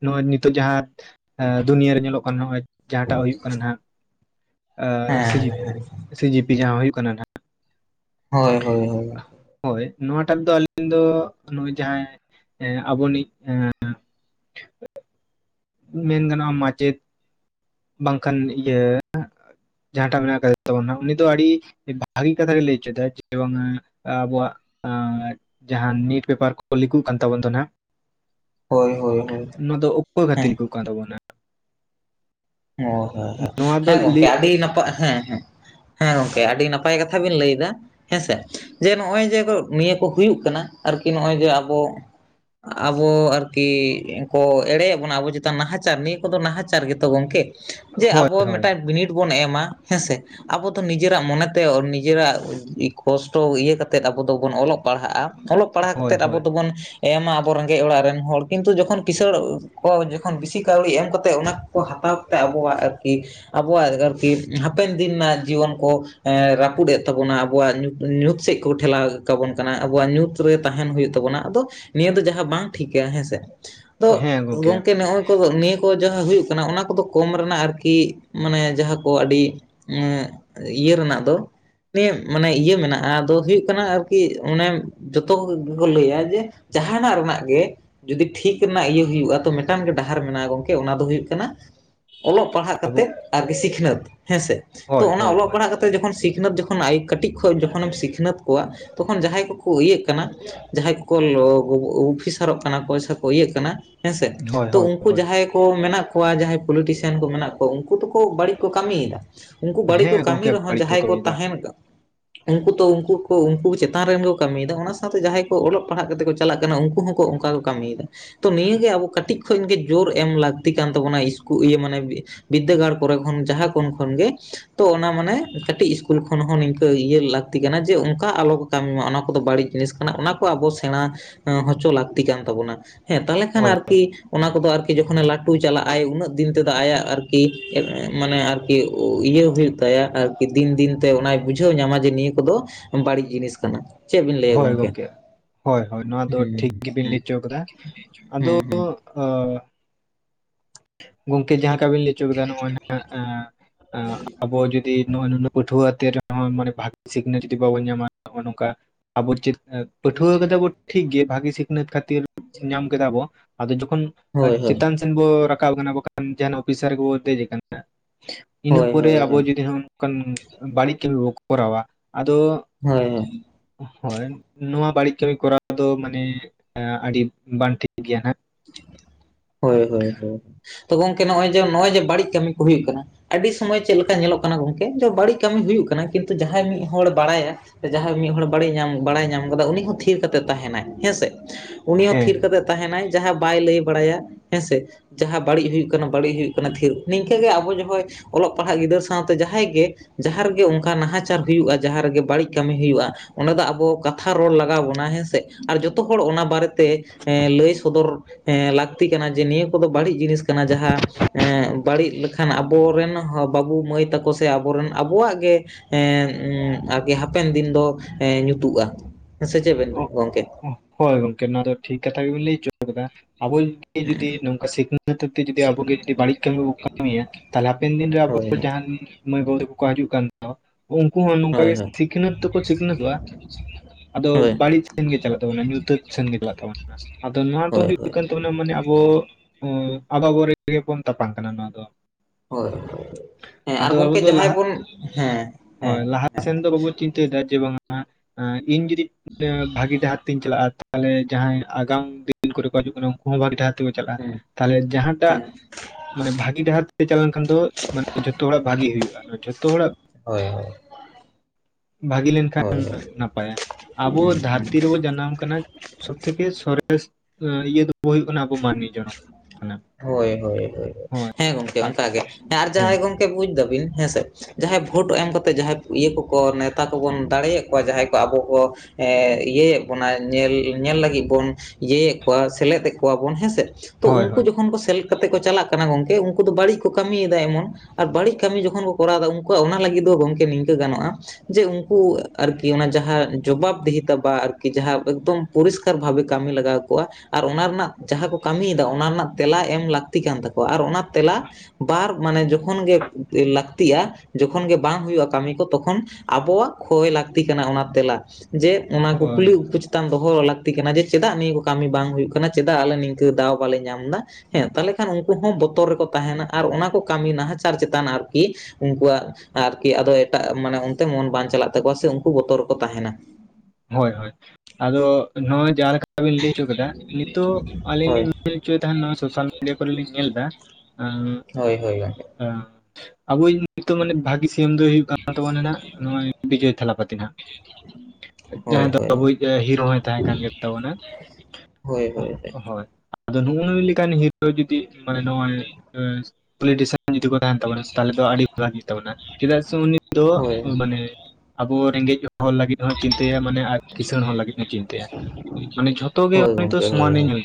ᱱᱚᱜᱼᱚᱭ ᱱᱤᱛᱚᱜ ᱡᱟᱦᱟᱸ ᱮ ᱫᱩᱱᱭᱟᱹᱨᱮ ᱧᱮᱞᱚᱜ ᱠᱟᱱ ᱱᱚᱜᱼᱚᱭ ᱡᱟᱦᱟᱸᱴᱟᱜ ᱦᱩᱭᱩᱜ ᱠᱟᱱᱟ ᱱᱟᱜ᱾ ᱮᱸ ᱥᱤᱡᱤ ᱦᱮᱸ ᱥᱤᱡᱤᱯᱤ ᱡᱟᱦᱟᱸ ᱦᱩᱭᱩᱜ ᱠᱟᱱᱟ ᱱᱟᱦᱟᱜ᱾ ᱦᱳᱭ ᱦᱳᱭ ᱦᱳᱭ ᱦᱳᱭ ᱱᱚᱣᱟ ᱴᱷᱟᱜ ᱫᱚ ᱟᱹᱞᱤᱧ ᱫᱚ ᱱᱚᱜᱼᱚᱭ ᱡᱟᱦᱟᱸᱭ ᱮᱸᱜ ᱟᱹᱵᱩᱱᱤᱡ ᱮᱸ ᱢᱮᱱ ᱜᱟᱱᱚᱜᱼᱟ, ᱢᱟᱪᱮᱫ ᱵᱟᱝᱠᱷᱟᱱ ᱤᱭᱟᱹ ᱡᱟᱦᱟᱸᱴᱷᱟᱜ ᱢᱮᱱᱟᱜ ᱟᱠᱟᱫᱮ ᱛᱟᱵᱚᱱᱟ ᱩᱱᱤ ᱫᱚ ᱟᱹᱰᱤ ᱵᱷᱟᱹᱜᱤ ᱠᱟᱛᱷᱟ ᱜᱮ ᱞᱟᱹᱭ ᱚᱪᱩᱭᱫᱟᱭ ᱡᱮ ᱵᱟᱝ ᱟᱵᱩᱣᱟᱜ ᱟᱸᱡ ᱡᱟᱦᱟᱸ ᱱᱤᱴ ᱯᱮᱯᱟᱨ ᱠᱩ ᱞᱤᱠᱩᱜ ᱠᱟᱱ ᱛᱟᱹᱵᱩᱱ ᱛᱟᱦᱮᱱᱟ ᱦᱳᱭ ᱦᱳᱭ ᱦᱳᱭ ᱾ ᱱᱚᱣᱟ ᱫᱚ ᱚᱠᱚᱭ ᱚᱠᱟᱛᱮ ᱦᱮᱸ ᱞᱤᱠᱩᱜ ᱠᱟᱱ ᱛᱟᱵᱚᱱᱟ? ᱚ ᱦᱳ ᱦᱳ ᱱᱚᱣᱟ ᱫᱚ ᱦᱮᱸ ᱜᱚᱝᱠᱮ ᱞᱟᱹᱭ ᱟᱹᱰᱤ ᱱᱟᱯᱟᱭ ᱦᱮᱸ ᱦᱮᱸ, ᱦᱮᱸ ᱜᱚᱝᱠᱮ ᱟᱹᱰᱤ ᱱᱟᱯ ᱱᱟᱯᱟᱭ ᱠᱟᱛᱷᱟ ᱵᱤᱱ ᱞᱟᱹᱭᱮᱫᱟ᱾ ᱦᱮᱸᱥᱮ ᱡᱮ ᱱᱚᱜᱼᱚᱭ ᱡᱮ ᱠᱩ ᱱᱤᱭᱟᱹ ᱠᱩ ᱦᱩᱭᱩᱜ ᱠᱟᱱᱟ ᱟᱨᱠᱤ ᱱᱚᱜᱼᱚᱭ ᱡᱮ ᱟᱹᱵᱳ ᱟᱵᱚ ᱟᱨᱠᱤ ᱠᱚ ᱮᱲᱮᱭᱮᱫ ᱵᱚᱱᱟ ᱟᱵᱩ ᱪᱮᱛᱟᱱ ᱱᱟᱦᱟᱪᱟᱨ ᱱᱤᱭᱟᱹ ᱠᱚᱫᱚ ᱱᱟᱦᱟᱪᱟᱨ ᱜᱮᱛᱚ ᱜᱚᱝᱠᱮ ᱡᱮ ᱦᱳᱭ ᱟᱵᱚ ᱦᱳᱭ ᱢᱤᱫᱴᱮᱱ ᱵᱤᱱᱤᱰ ᱵᱚᱱ ᱮᱢᱟ ᱦᱮᱸᱥᱮ ᱟᱵᱚ ᱫᱚ ᱱᱤᱡᱮᱨᱟᱜ ᱢᱚᱱᱮᱛᱮ ᱱᱤᱡᱮᱨᱟᱜ ᱤ ᱠᱚᱥᱴᱚ ᱤᱭᱟᱹ ᱠᱟᱛᱮᱫ ᱟᱵᱚ ᱫᱚᱵᱚᱱ ᱚᱞᱚᱜ ᱯᱟᱲᱦᱟᱜᱼᱟ ᱚᱞᱚᱜ ᱯᱟᱲᱦᱟᱜ ᱦᱳᱭ ᱠᱟᱛᱮᱫ ᱟᱵᱚ ᱦᱳᱭ ᱫᱚᱵᱚᱱ ᱮᱢᱟ ᱟᱵᱚ ᱨᱮᱸᱜᱮᱡ ᱚᱲᱟᱜ ᱨᱮᱱ ᱦᱚᱲ ᱠᱤᱱᱛᱩ ᱡᱚᱠᱷᱚᱱ ᱠᱤᱥᱟᱹᱬ ᱠᱚ ᱡᱚᱠᱷᱚᱱ ᱵᱤᱥᱤ ᱠᱟᱹᱣᱰᱤ ᱮᱢ ᱠᱟᱛᱮᱫ ᱚᱱᱟ ᱠᱩ ᱦᱟᱛᱟᱣ ᱟᱵᱚᱣᱟᱜ ᱟᱨᱠᱤ ᱟᱵᱚᱣᱟᱜ ᱟᱨᱠᱤ ᱦᱟᱯᱮᱱ ᱫᱤᱱ ᱨᱮᱱᱟᱜ ᱡᱤᱭᱚᱱ ᱠᱚ ᱮᱸ ᱨᱟᱹᱯᱩᱫ ᱮᱫ ᱛᱟᱵᱚᱱᱟ ᱟᱵᱚᱣᱟᱜ ᱧᱩ ᱧᱩᱛ ᱥᱮᱫ ᱠᱚ ᱴᱷᱮᱞᱟᱣ ᱠᱟᱵᱚᱱ ᱠᱟᱱᱟ ᱟᱵᱚᱣᱟᱜ ᱧᱩᱛ ᱨᱮ ᱛᱟᱦᱮᱱ ᱦᱩᱭᱩᱜ ᱛᱟᱵᱚᱱᱟ᱾ ᱟᱫᱚ ᱱᱤᱭᱟᱹ ᱫᱚ ᱡᱟᱦᱟᱸ ᱵᱟᱝ ᱴᱷᱤᱠᱟ ᱦᱮᱸ ᱥᱮ᱾ ᱟᱫᱚ ᱜᱚᱝᱠᱮ ᱱᱚᱜᱼᱚᱭ ᱠᱚ ᱱᱤᱭᱟᱹ ᱠᱚ ᱡᱟᱦᱟᱸ ᱦᱩᱭᱩᱜ ᱠᱟᱱᱟ ᱚᱱᱟ ᱠᱚᱫᱚ᱾ ᱠᱚᱢ ᱨᱮᱱᱟᱜ ᱟᱨᱠᱤ ᱢᱟᱱᱮ ᱡᱟᱦᱟᱸ ᱠᱟᱹᱣᱰᱤ ᱮᱸ ᱤᱭᱟᱹ ᱨᱮᱱᱟᱜ ᱫᱚ ᱤᱭ ᱢᱟᱱᱮ ᱤᱭᱟᱹ ᱢᱮᱱᱟᱜᱼᱟ ᱟᱫᱚ ᱦᱩᱭᱩᱜ ᱠᱟᱱᱟ ᱟᱨᱠᱤ ᱚᱱᱮ ᱡᱚᱛᱚ ᱠᱚᱜᱮ ᱠᱚ ᱞᱟᱹᱭᱟ ᱡᱮ ᱡᱟᱦᱟᱱᱟᱜ ᱨᱮᱱᱟᱜ ᱜᱮ ᱡᱩᱫᱤ ᱴᱷᱤᱠ ᱨᱮᱱᱟᱜ ᱤᱭᱟᱹ ᱦᱩᱭᱩᱜᱼᱟ ᱛᱚ ᱢᱤᱫᱴᱟᱝ ᱜᱮ ᱰᱟᱦᱟᱨ ᱢᱮᱱᱟᱜᱼᱟ ᱜᱚᱝᱠᱮ ᱚᱱᱟ ᱫᱚ ᱦᱩᱭᱩᱜ ᱠᱟᱱᱟ ᱚᱞᱚᱜ ᱯᱟᱲᱦᱟᱜ ᱟᱵᱚ ᱠᱟᱛᱮᱫ ᱟᱨᱠᱤ ᱥᱤᱠᱷᱱᱟᱹᱛ ᱦᱮᱸᱥᱮ ᱛᱚ ᱦᱳᱭ ᱚᱱᱟ ᱦᱳᱭ ᱚᱞᱚᱜ ᱦᱳᱭ ᱯᱟᱲᱦᱟᱜ ᱠᱟᱼ- ᱛᱮ ᱡᱚᱠᱷᱚᱱ ᱥᱤᱠᱷᱱᱟᱹᱛ ᱡᱚᱠᱷᱚᱱ ᱟᱭ ᱠᱟᱹᱴᱤᱡ ᱠᱷᱚᱡ ᱡᱚᱠᱷᱚᱱᱮᱢ ᱥᱤᱠᱷᱱᱟᱹᱛ ᱠᱚᱣᱟ ᱛᱚᱠᱷᱚᱱ ᱡᱟᱦᱟᱸᱭ ᱠᱚᱠᱩ ᱤᱭᱟᱹᱜ ᱠᱟᱱᱟ ᱡᱟᱦᱟᱸᱭ ᱠᱚᱠᱚ ᱞᱚ ᱚᱸᱜ ᱚᱯᱷᱤᱥᱟᱨᱚᱜ ᱠᱟᱱᱟ ᱯᱚᱭᱥᱟ ᱠᱚ ᱤᱭᱟᱹᱜ ᱠᱟᱱᱟ ᱦᱮᱸᱥᱮ ᱦᱳᱭ ᱛᱚ ᱦᱳᱭ ᱩᱱᱠᱩ ᱦᱳᱭ ᱡᱟᱦᱟᱸᱭ ᱠᱚ ᱢᱮᱱᱟᱜ ᱠᱚᱣᱟ ᱡᱟᱦᱟᱸᱭ ᱯᱚᱞᱤᱴᱤᱥᱤᱭᱟᱱ ᱠᱚ ᱢᱮᱱᱟᱜ ᱠᱚ ᱩᱱᱠᱩ ᱛᱚᱠᱚ ᱵᱟᱹᱲᱤᱡ ᱠᱚ ᱠᱟᱹᱢᱤᱭᱮᱫᱟ ᱩᱱᱠᱩ ᱵᱟᱹᱲᱤᱡ ᱠᱚ ᱦᱮᱸ ᱠᱟᱹᱢᱤ ᱜᱚᱝᱠᱮ ᱨᱮᱦᱚᱸ ᱵᱟᱹᱲᱤᱡ ᱡᱟᱦᱟᱸᱭ ᱠᱚ ᱠᱟᱹᱢᱤᱭᱮᱫᱟ ᱛᱟᱦᱮᱱ ᱠᱟᱱ ᱩᱱᱠᱩ ᱛᱚ ᱩᱱᱠᱩ ᱠᱚ ᱩᱱᱠᱩ ᱪᱮᱛᱟᱱ ᱨᱮᱱ ᱠᱚ ᱠᱟᱹᱢᱤᱭᱮᱫᱟ ᱚᱱᱟ ᱥᱟᱶᱛᱮ ᱡᱟᱦᱟᱸᱭ ᱠᱚ ᱚᱞᱚᱜ ᱯᱟᱲᱦᱟᱜ ᱠᱟᱛᱮ ᱠᱚ ᱪᱟᱞᱟᱜ ᱠᱟᱱᱟ ᱩᱱᱠᱩ ᱦᱚᱸ ᱚᱱᱠᱟ ᱠᱚ ᱠᱟᱹᱢᱤᱭᱮᱫᱟ ᱛᱚ ᱱᱤᱭᱟᱹᱜᱮ ᱟᱵᱚ ᱠᱟᱹᱴᱤᱡ ᱠᱷᱚᱱ ᱜᱮ ᱡᱳᱨ ᱮᱢ ᱞᱟᱹᱠᱛᱤ ᱠᱟᱱ ᱛᱟᱵᱚᱱᱟ ᱤᱥ ᱠᱩ ᱤᱭᱟᱹ ᱢᱟᱱᱮ ᱵᱤ [inaudible] ᱵᱤᱫᱽᱫᱟᱹᱜᱟᱲ ᱠᱚᱨᱮ ᱠᱷᱚᱱ ᱡᱟᱦᱟᱸ ᱠᱚ ᱠᱷᱚᱱᱜᱮ ᱛᱚ ᱚᱱᱟ ᱢᱟᱱᱮ ᱠᱟᱹᱴᱤᱡ ᱤᱥᱠᱩᱞ ᱠᱷᱚᱱ ᱦᱚᱸ ᱱᱤᱝᱠᱟᱹ ᱤᱭᱟᱹ ᱞᱟᱠ ᱞᱟᱹᱠᱛᱤ ᱠᱟᱱᱟ ᱡᱮ ᱚᱱᱠᱟ ᱟᱞᱚ ᱠᱚ ᱠᱟᱹᱢᱤ ᱢᱟ ᱚᱱᱟ ᱠᱚᱫᱚ ᱵᱟᱹᱲᱤᱡ ᱡᱤᱱᱤᱥ ᱠᱟᱱᱟ ᱚᱱᱟ ᱠᱚ ᱟᱵᱚ ᱥᱮᱬᱟ ᱦᱚᱸ ᱦᱚᱪᱚ ᱞᱟᱹᱠᱛᱤ ᱠᱟᱱ ᱛᱟᱵᱚᱱᱟ ᱦᱮᱸ ᱛᱟᱦᱚᱞᱮ ᱠᱷᱟᱱ ᱦᱳᱭ ᱟᱨᱠᱤ ᱚᱱᱟ ᱠᱚᱫᱚ ᱟᱨᱠᱤ ᱡᱚᱠᱷᱚᱱᱮ ᱞᱟᱹᱴᱩ ᱪᱟᱞᱟᱜᱼ ᱟᱭ ᱩᱱᱟᱜ ᱫᱤᱱ ᱛᱮᱫᱚ ᱟᱭᱟᱜ ᱟᱨᱠᱤ ᱮᱢᱮ ᱢᱟᱱᱮ ᱟᱨᱠᱤ ᱩ ᱤᱭᱟᱹ ᱦᱩᱭᱩᱜ ᱛᱟᱭᱟ ᱟᱨ ᱫᱤᱱ ᱫᱤᱱ ᱛᱮ ᱚᱱᱟᱭ ᱵᱩᱡᱷᱟᱹᱣ ᱧᱟᱢᱟ ᱡᱮ ᱱᱤᱭᱟᱹ ᱠᱚᱫᱚ ᱵᱟᱹᱲᱤᱡ ᱡᱤᱱᱤᱥ ᱠᱟᱱᱟ ᱪᱮᱫ ᱵᱤᱱ ᱞᱟᱹᱭᱟ ᱜᱚᱝᱠᱮ ᱦᱳᱭ ᱦᱳᱭ ᱱᱚᱣᱟ ᱫᱚ ᱴᱷᱤᱠ ᱦᱩᱸ ᱜᱮᱵᱤᱱ ᱦᱩᱸ ᱞᱟᱹᱭ ᱚᱪᱚᱣᱟ ᱠᱟᱫᱟ ᱟᱫᱚ ᱦᱩᱸ ᱦᱩᱸ ᱜᱚᱝᱠᱮ ᱡᱟᱦᱟᱸ ᱞᱮᱠᱟᱵᱤᱱ ᱞᱟᱹᱭ ᱚᱪᱚ ᱠᱮᱫᱟ ᱱᱚᱜᱼᱚᱭ ᱱᱟᱦᱟᱜ ᱟᱸ ᱟᱸ ᱟᱵᱚ ᱡᱩᱫᱤ ᱱᱚᱜᱼᱚᱭ ᱱᱩᱱᱟᱹᱜ ᱯᱟᱹᱴᱷᱩᱣᱟᱹ ᱟᱛᱮ ᱨᱮᱦᱚᱸ ᱢᱟᱱᱮ ᱵᱷᱟᱜᱤ ᱥᱤᱠᱷᱱᱟᱹᱛ ᱡᱩᱫᱤ ᱵᱟᱵᱚᱱ ᱧᱟᱢᱟ ᱱᱚᱜᱼᱚ ᱱᱚᱝᱠᱟ ᱟᱵᱚ ᱪᱮᱫ ᱮᱸ ᱯᱟᱹᱴᱷᱩᱣᱟᱹ ᱠᱟᱛᱮᱜ ᱵᱚ ᱴᱷᱤᱠ ᱜᱮ ᱵᱷᱟᱹᱜᱤ ᱥᱤᱠᱷᱱᱟᱹᱛ ᱠᱷᱟᱹᱛᱤᱨ ᱧᱟᱢ ᱠᱮᱫᱟ ᱵᱚ ᱟᱫᱚ ᱡᱚᱠᱷᱚᱱ ᱦᱳᱭ ᱦᱳᱭ ᱪᱮᱛᱟᱱ ᱥᱮᱱᱵᱚ ᱨᱟᱠ ᱠᱟᱣ ᱟᱠᱟᱱᱟ ᱵᱚ ᱵᱟᱝᱠᱷᱟᱱ ᱡᱟᱦᱟᱸ ᱚᱯᱷᱤᱥᱟᱨ ᱠᱚᱵᱚᱱ ᱫᱮᱡ ᱟᱠᱟᱱᱟ ᱤᱱᱟᱹ ᱦᱳᱭ ᱯᱚᱨᱮ ᱦᱳᱭ ᱟᱵᱚ ᱦᱳᱭ ᱡᱩᱫᱤ ᱦᱚᱸ ᱚᱱᱠᱟᱱ ᱵᱟᱹᱲᱤᱡ ᱠᱤᱭ ᱵᱟᱠᱩ ᱠᱚᱨᱟᱣᱟ ᱟᱫᱚ ᱦᱮᱸ ᱦᱮᱸ ᱦᱳᱭ ᱱᱚᱣᱟ ᱵᱟᱹᱲᱤᱡ ᱠᱟᱹᱢᱤ ᱠᱚᱨᱟᱣ ᱫᱚ ᱢᱟᱱᱮ ᱮᱸ ᱟᱹᱰᱤ ᱵᱟᱝ ᱴᱷᱤᱠ ᱜᱮᱭᱟ ᱱᱟᱦᱟᱜ ᱦᱳᱭ ᱦᱳᱭ ᱜᱚᱝᱠᱮ ᱛᱚ ᱜᱚᱝᱠᱮ ᱱᱚᱜᱼᱚᱭ ᱡᱮ ᱱᱚᱜᱼᱚᱭ ᱡᱮ ᱵᱟᱹᱲᱤᱡ ᱠᱟᱹᱢᱤ ᱠᱚ ᱦᱩᱭᱩᱜ ᱠᱟᱱᱟ ᱟᱹᱰᱤ ᱥᱚᱢᱚᱭ ᱪᱮᱫ ᱞᱮᱠᱟ ᱧᱮᱞᱚᱜ ᱠᱟᱱᱟ ᱜᱚᱝᱠᱮ ᱡᱮ ᱵᱟᱹᱲᱤᱡ ᱠᱟᱹᱢᱤ ᱦᱩᱭᱩᱜ ᱠᱟᱱᱟ ᱠᱤᱱᱛᱩ ᱡᱟᱦᱟᱸᱭ ᱢᱤᱫ ᱦᱚᱲ ᱵᱟᱲᱟᱭᱟ ᱥᱮ ᱡᱟᱦᱟᱸᱭ ᱢᱤᱫ ᱦᱚᱲ ᱵᱟᱹᱲᱤᱡ ᱧᱟᱢ ᱵᱟᱲᱟᱭ ᱧᱟᱢ ᱠᱟᱫᱟ ᱩᱱᱤ ᱦᱚᱸ ᱛᱷᱤᱨ ᱠᱟᱛᱮᱫ ᱛᱟᱦᱮᱱᱟᱭ ᱦᱮᱸᱥᱮ ᱩᱱᱤ ᱦᱚᱸ ᱦᱮᱸ ᱛᱷᱤᱨ ᱠᱟᱛᱮᱜ ᱛᱟᱦᱮᱱᱟᱭ ᱡᱟᱦᱟᱸ ᱵᱟᱭ ᱞᱟᱹᱭ ᱵᱟᱲᱟᱭᱟ ᱦᱮᱸᱥᱮ ᱡᱟᱦᱟᱸ ᱵᱟᱹᱲᱤᱡ ᱦᱩᱭᱩᱜ ᱠᱟᱱᱟ ᱵᱟᱹᱲᱤᱡ ᱦᱩᱭᱩᱜ ᱠᱟᱱᱟ ᱛᱷᱤᱨ ᱱᱤᱝᱠᱟᱹᱜᱮ ᱟᱵᱚ ᱡᱚᱦᱚᱭ ᱚᱞᱚᱜ ᱯᱟᱲᱦᱟᱜ ᱜᱤᱫᱟᱹᱨ ᱥᱟᱶᱛᱮ ᱡᱟᱦᱟᱸᱭ ᱜᱮ ᱡᱟᱦᱟᱸ ᱨᱮᱜᱮ ᱚᱱᱠᱟ ᱱᱟᱦᱟᱪᱟᱨ ᱦᱩᱭᱩᱜᱼᱟ ᱡᱟᱦᱟᱸ ᱨᱮᱜᱮ ᱵᱟᱹᱲᱤᱡ ᱠᱟᱹᱢᱤ ᱦᱩᱭᱩᱜᱼᱟ ᱚᱱᱟ ᱫᱚ ᱟᱵᱚ ᱠᱟ ᱛᱷᱟ ᱨᱚᱲ ᱞᱟᱜᱟᱣ ᱵᱚᱱᱟ ᱦᱮᱸᱥᱮ ᱟᱨ ᱡᱚᱛᱚ ᱦᱚᱲ ᱚᱱᱟ ᱵᱟᱨᱮᱛᱮ ᱮᱸ ᱞᱟᱹᱭ [unintelligible] ᱞᱟᱹᱠᱛᱤ ᱠᱟᱱᱟ ᱡᱮ ᱱᱤᱭᱟᱹ ᱠᱚᱫᱚ ᱵᱟᱹᱲᱤᱡ ᱡᱤᱱᱤᱥ ᱠᱟᱱᱟ ᱡᱟᱦᱟᱸ ᱮᱸᱜ ᱵᱟᱹᱲᱤᱡ ᱞᱮᱠᱷᱟᱱ ᱟᱵᱚᱨᱮᱱ ᱦᱚᱸ ᱵᱟᱹᱵᱩ ᱢᱟᱹᱭ ᱛᱟᱠᱚ ᱥᱮ ᱟᱵᱚ ᱨᱮᱱ ᱟᱵᱚᱣᱟᱜ ᱜᱮ ᱮᱸ ᱮᱸ ᱟᱜᱮ ᱦᱟᱯᱮᱱ ᱫᱤᱱ ᱫᱚ ᱧᱩᱛᱩᱜᱼᱟ ᱥᱮ ᱪᱮᱫ ᱵᱮᱱ ᱞᱟᱭᱼᱫᱟ ᱜᱚᱝᱠᱮ ᱦᱳᱭ ᱜᱚᱝᱠᱮ ᱱᱚᱣᱟ ᱫᱚ ᱴᱷᱤᱠ ᱠᱟᱛᱷᱟ ᱜᱮᱵᱤᱱ ᱞᱟᱹᱭ ᱦᱚᱪᱚ ᱠᱮᱫᱟ ᱟᱵᱚ ᱡᱩᱫᱤ ᱱᱚᱝᱠᱟ ᱥᱤᱠᱷᱱᱟᱹᱛ ᱠᱟᱛᱮ ᱡᱩᱫᱤ ᱟᱵᱚᱜᱮ ᱡᱩᱫᱤ ᱵᱟᱹᱲᱤᱡ ᱠᱟᱹᱢᱤ ᱵᱚ ᱠᱟᱹᱢᱤᱭᱟ ᱛᱟᱦᱞᱮ ᱦᱟᱯᱮᱱ ᱫᱤᱱ ᱨᱮ ᱟᱵᱚ ᱦᱳᱭ ᱦᱳᱭ ᱡᱟᱦᱟᱱ ᱢᱟᱹᱭ ᱵᱟᱹᱵᱩ ᱛᱟᱠᱚᱠᱚ ᱦᱤᱡᱩᱜ ᱠᱟᱱ ᱛᱟᱦᱮᱸ ᱫᱚ ᱩᱱᱠᱩ ᱦᱚᱸ ᱦᱳᱭ ᱱᱚᱝᱠᱟ ᱜᱮ ᱦᱳᱭ ᱥᱤᱠᱷᱱᱟᱹᱛ ᱫᱚᱠᱚ ᱥᱤᱠᱷᱱᱟᱹᱛᱚᱜᱼᱟ ᱟᱫᱚ ᱦᱳᱭ ᱵᱟᱹᱲᱤᱡ ᱥᱮᱱ ᱜᱮ ᱪᱟᱞᱟᱜ ᱚᱱᱟ ᱧᱩᱛᱟᱹᱛ ᱥᱮᱱ ᱜᱮ ᱪᱟᱞᱟᱜ ᱠᱟᱱᱟ ᱟᱫᱚ ᱱᱚᱣᱟ ᱫᱚ ᱦᱳᱭ ᱦᱩᱭᱩᱜ ᱦᱳᱭ ᱠᱟᱱ ᱛᱚᱵᱮ ᱱᱟᱦᱟᱜ ᱢᱟᱱᱮ ᱟᱵᱚ ᱚᱸ ᱟᱵᱚᱵᱚ ᱨᱮᱜᱮ ᱵᱚᱱ ᱛᱟᱯᱟᱢ ᱠᱟᱱᱟ ᱱᱚᱣᱟ ᱫᱚ ᱦᱳᱭ ᱦᱮᱸ ᱟᱨ ᱟᱫᱚ ᱟᱵᱚ ᱜᱚᱢᱠᱮ ᱫᱚ ᱡᱟᱦᱟᱸᱭ ᱞᱟᱦᱟ ᱵᱚᱱ ᱦᱮᱸ ᱦᱮᱸ ᱦᱳᱭ ᱞᱟᱦᱟ ᱦᱮᱸ ᱥᱮᱱ ᱫᱚ ᱵᱟᱵᱚ ᱪᱤᱱᱛᱟᱹᱭᱮᱫᱟ ᱡᱮ ᱵᱟᱝ ᱦᱟᱜ ᱟᱸ ᱤᱧ ᱡᱩᱫᱤ ᱵᱷᱟᱹᱜᱤ ᱰᱟᱦᱟᱨ ᱛᱤᱧ ᱪᱟᱞᱟᱜᱼᱟ ᱛᱟᱦᱚᱞᱮ ᱡᱟᱦᱟᱸᱭ ᱟᱜᱟᱢ ᱫᱤᱱ ᱠᱚᱨᱮ ᱠᱚ ᱦᱤᱡᱩᱜ ᱠᱟᱱᱟ ᱦᱚᱸ ᱵᱷᱟᱜᱤ ᱰᱟᱦᱟᱨ ᱛᱮᱵᱚ ᱪᱟᱞᱟᱜᱼᱟ ᱦᱮᱸ ᱛᱟᱦᱚᱞᱮ ᱡᱟᱦᱟᱸᱴᱟᱜ ᱦᱮᱸ ᱢᱟᱱᱮ ᱵᱷᱟᱜᱤ ᱰᱟᱦᱟᱨ ᱛᱮ ᱪᱟᱞᱟᱣ ᱵᱷᱟᱜᱤ ᱰᱟᱦᱟᱨ ᱛᱮ ᱯᱮ ᱪᱟᱞᱟᱣ ᱞᱮᱱᱠᱷᱟᱱ ᱫᱚ ᱢᱟᱱᱮ ᱡᱷᱚᱛᱚ ᱦᱚᱲᱟᱜ ᱵᱷᱟᱜᱤ ᱦᱩᱭᱩᱜᱭᱼᱟ, ᱡᱷᱚᱛᱚ ᱦᱚᱲᱟᱜ ᱦᱳᱭ ᱦᱳᱭ᱾ ᱵᱷᱟᱹᱜᱤ ᱞᱮᱱᱠᱷᱟᱱ ᱦᱳᱭ ᱱᱟᱯᱟᱭᱟ᱾ ᱟᱵᱚ ᱦᱳᱭ ᱫᱷᱟᱹᱨᱛᱤ ᱨᱮᱵᱚ ᱡᱟᱱᱟᱢ ᱠᱟᱱᱟ ᱥᱚᱵ ᱛᱷᱮᱠᱮ ᱥᱚᱨᱮᱥ ᱮᱸ ᱤᱭᱟᱹ ᱫᱚᱵᱚ ᱦᱩᱭᱩᱜ ᱠᱟᱱᱟ ᱢᱟᱹᱱᱢᱤ ᱡᱚᱱᱚᱢ ᱠᱟᱱᱟ ᱦᱳᱭ ᱦᱳᱭ ᱦᱚᱭ ᱦᱳᱭ ᱦᱮᱸ ᱜᱚᱢᱠᱮ ᱟᱫᱚ ᱚᱱᱠᱟ ᱜᱮ ᱟᱨ ᱦᱮᱸ ᱡᱟᱦᱟᱸᱭ ᱜᱚᱝ ᱠᱮ ᱵᱩᱡ ᱫᱟᱹᱵᱤᱱ ᱦᱮᱸ ᱥᱮ ᱡᱟᱦᱟᱸᱭ ᱵᱷᱳᱴ ᱮᱢ ᱠᱟᱛᱮᱫ ᱡᱟᱦᱟᱸᱭ ᱤᱭᱟᱹ ᱠᱚᱠᱚ ᱱᱮᱛᱟ ᱠᱚᱵᱚᱱ ᱫᱟᱲᱮᱭᱟ ᱠᱚᱣᱟ, ᱡᱟᱦᱟᱸᱭ ᱠᱚ ᱟᱵᱚ ᱠᱚ ᱤᱭᱟᱹᱭᱮᱫ ᱵᱚᱱᱟ ᱧᱮᱞ, ᱧᱮᱞ ᱞᱟᱹᱜᱤᱫ ᱵᱚᱱ ᱤᱭᱟᱹᱭᱮᱫ ᱠᱚᱣᱟ ᱥᱮᱞᱮᱫ ᱠᱚ ᱠᱟᱣᱟ ᱵᱚᱱ ᱦᱮᱸᱥᱮ ᱛᱚ ᱦᱳᱭ ᱩᱱᱠᱩ ᱦᱳᱭ ᱡᱚᱠᱷᱚᱱ ᱠᱚ ᱠᱚᱣᱟ ᱵᱚᱱ ᱥᱮᱞᱮᱫ ᱠᱟᱛᱮ ᱠᱚ ᱪᱟᱞᱟᱜ ᱠᱟᱱᱟ ᱜᱚᱝᱠᱮ ᱩᱱᱠᱩ ᱫᱚ ᱵᱟᱹᱲᱤᱡ ᱠᱚ ᱠᱟᱹᱢᱤ ᱭᱮᱫᱟ ᱮᱢᱚᱱ ᱟᱨ ᱵᱟᱹᱲᱤᱡ ᱠᱟᱹᱢᱤ ᱡᱚᱠᱷᱚᱱ ᱠᱚ ᱠᱚᱨᱟᱣ ᱫᱟ ᱩᱱᱠᱩᱣᱟᱜ ᱚᱱᱟ ᱞᱟᱹᱜᱤᱫ ᱫᱚ ᱜᱚᱝᱠᱮ ᱱᱤᱝᱠᱟᱹ ᱜᱟᱱᱚᱜᱼᱟ, ᱡᱮ ᱩᱱᱠᱩ ᱟᱨᱠᱤ ᱚᱱᱟ ᱡᱟᱦᱟᱸ ᱡᱚᱵᱟᱵ ᱫᱤᱦᱤ ᱛᱟᱵᱟ ᱟᱨᱠᱤ ᱡᱟᱦᱟᱸ ᱮᱠᱫᱚᱢ ᱯᱚᱨᱤᱥᱠᱟᱨ ᱵᱷᱟᱵᱮ ᱠᱟᱹᱢᱤ ᱞᱟᱜᱟᱣ ᱠᱚᱣᱟ ᱟᱨ ᱚᱱᱟ ᱨᱮᱱᱟᱜ ᱡᱟᱦᱟᱸ ᱠᱚ ᱠᱟᱹᱢᱤ ᱭᱮᱫᱟ ᱚᱱᱟ ᱨᱮᱱᱟᱜ ᱛᱮᱞᱟ ᱮᱢ ᱞᱟᱹᱠᱛᱤ ᱠᱟᱱ ᱛᱟᱠᱚᱣᱟ, ᱟᱨ ᱚᱱᱟ ᱛᱮᱞᱟ ᱵᱟᱨ ᱢᱟᱱᱮ ᱡᱚᱠᱷᱚᱱ ᱜᱮ ᱞᱟᱠ ᱛᱤᱜᱼᱟ ᱡᱚᱠᱷᱚᱱ ᱜᱮ ᱵᱟᱝ ᱦᱩᱭᱩᱜᱼᱟ ᱠᱟᱹᱢᱤ ᱠᱚ ᱛᱚᱠᱷᱚᱱ ᱟᱵᱚᱣᱟᱜ ᱠᱚᱭ ᱞᱟᱹᱠᱛᱤ ᱠᱟᱱᱟ ᱚᱱᱟ ᱛᱮᱞᱟ᱾ ᱡᱮ ᱚᱱᱟ ᱦᱳᱭ ᱠᱩᱠᱞᱤ ᱩᱠᱩ ᱪᱮᱛᱟᱱ ᱫᱚᱦᱚ ᱞᱟᱹᱠᱛᱤ ᱠᱟᱱᱟ ᱡᱮ ᱪᱮᱫᱟᱜ ᱱᱤᱭᱟᱹ ᱠᱚ ᱠᱟᱹᱢᱤ ᱵᱟᱝ ᱦᱩᱭᱩᱜ ᱠᱟᱱᱟ᱾ ᱪᱮᱫᱟᱜ ᱟᱞᱮ ᱱᱤᱝᱠᱟᱹ ᱫᱟᱣ ᱵᱟᱞᱮ ᱧᱟᱢ ᱫᱟ᱾ ᱦᱮᱸ ᱛᱟᱦᱚᱞᱮ ᱠᱷᱟᱱ ᱩᱱᱠᱩ ᱦᱚᱸ ᱵᱚᱛᱚᱨ ᱨᱮᱠᱚ ᱛᱟᱦᱮᱱᱟ ᱟᱨ ᱚᱱᱟ ᱠᱚ ᱠᱟᱹᱢᱤ ᱱᱟᱦᱟᱪᱟᱨ ᱪᱮᱛᱟᱱ ᱟᱨᱠᱤ ᱩᱱᱠᱩᱣᱟᱜ ᱟᱨᱠᱤ ᱟᱫᱚ ᱮᱴᱟᱜ ᱢᱟᱱᱮ ᱚᱱᱛᱮ ᱢᱚᱱ ᱵᱟᱝ ᱪᱟᱞᱟᱜ ᱛᱟᱠᱚᱣᱟ ᱥᱮ ᱩᱱᱠᱩ ᱵᱚᱛᱚᱨ ᱨᱮᱠᱚ ᱛᱟᱦᱮᱱᱟ᱾ ᱦᱳᱭ ᱦᱳᱭ ᱟᱫᱚ ᱱᱚᱜᱚᱭ ᱡᱟᱸᱦᱟ ᱞᱮᱠᱟᱵᱤᱱ ᱞᱟᱹᱭ ᱩᱪᱩ ᱠᱮᱫᱟ ᱱᱤᱛᱚᱜ ᱟᱹᱞᱤᱧ ᱦᱳᱭ ᱞᱤᱧ ᱞᱮ ᱚᱪᱚᱭ ᱛᱟᱦᱮᱱ ᱱᱚᱣᱟ ᱥᱳᱥᱟᱞ ᱢᱤᱰᱤᱭᱟ ᱠᱚᱨᱮ ᱞᱤᱧ ᱧᱮᱞ ᱫᱟ, ᱮᱸᱜ ᱦᱳᱭ ᱦᱳᱭ ᱜᱚᱝᱠᱮ ᱦᱟᱸ ᱟᱵᱚᱭᱤᱡ ᱱᱤᱛᱚ ᱢᱟᱱᱮ ᱵᱷᱟᱜᱤ ᱥᱤᱮᱢ ᱫᱚᱭ ᱦᱳᱭᱳ ᱠᱟᱱ ᱛᱟᱵᱚᱱᱟ ᱱᱟᱜ ᱱᱚᱼᱚᱭ ᱵᱤᱡᱚᱭ ᱛᱷᱟᱞᱟᱯᱟᱛᱤ ᱦᱟᱸᱜ᱾ [unintelligible] ᱡᱟᱦᱟᱸᱭ ᱫᱚ ᱦᱳᱭ ᱟᱵᱚᱭᱤᱡ ᱦᱤᱨᱳ ᱦᱚᱸᱭ ᱛᱟᱦᱮᱸ ᱠᱟᱱ ᱜᱮᱛᱟᱵᱚᱱᱟ, ᱦᱳᱜ ᱦᱳᱭ᱾ ᱟᱫᱚ ᱱᱩᱜᱼ ᱩᱱᱩᱭ ᱞᱮᱠᱟᱱ ᱦᱤᱨᱳ ᱡᱩᱫᱤ ᱢᱟᱱᱮ ᱱᱚᱣᱟ ᱯᱚᱞᱤᱴᱤᱥᱤᱭᱟᱱ ᱡᱩᱫᱤ ᱛᱟᱸᱦᱮᱱ ᱛᱟᱵᱚᱱᱟ ᱛᱟᱦᱚᱞᱮ ᱫᱚ ᱟᱹᱰᱤ ᱵᱷᱟᱜᱤ ᱛᱟᱵᱚᱱᱟ ᱪᱮᱫᱟᱜ ᱥᱮ ᱩᱱᱤ ᱫᱚ ᱦᱳᱭ ᱢᱟᱱᱮ ᱟᱵᱚ ᱨᱮᱸᱜᱮᱡ ᱦᱚᱲ ᱞᱟᱹᱜᱤᱫ ᱦᱚᱸᱭ ᱪᱤᱱᱛᱟᱹᱭᱟ ᱢᱟᱱᱮ ᱟᱨ ᱠᱤᱸᱥᱟᱹᱬ ᱦᱚᱲ ᱞᱟᱹᱜᱤᱫ ᱦᱚᱸ ᱪᱤᱱᱛᱟᱹᱭᱟ ᱢᱟᱱᱮ ᱡᱷᱚᱛᱚ ᱜᱮ ᱦᱳᱭ ᱩᱱᱤ ᱫᱚ ᱚ ᱜᱚᱢᱠᱮ ᱦᱳᱭ ᱥᱚᱢᱟᱱᱮ ᱦᱳᱭ ᱧᱮᱞ